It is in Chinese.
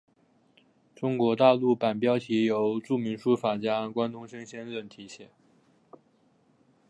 中国大陆版标题由著名书法家关东升先生提写。